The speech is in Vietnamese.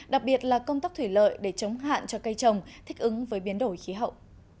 đặc biệt là công tác thủy lợi để chống hạn cho cây trồng thích ứng với biến đổi khí hậu